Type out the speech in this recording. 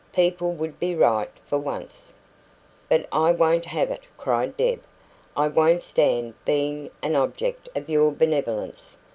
"People would be right, for once." "But I won't have it!" cried Deb. "I won't stand being an object of your benevolence.